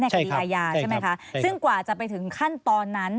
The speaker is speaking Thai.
คดีอาญาใช่ไหมคะซึ่งกว่าจะไปถึงขั้นตอนนั้น